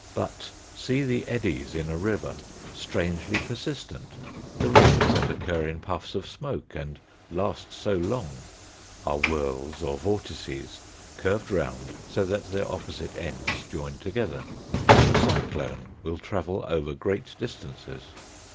But see the eddies in a river strangely per sistent. The rings that occur in puffs of smoke and last so long are whirls or vortices curved round so that their opposite ends join together. A cyclone will travel over great distances.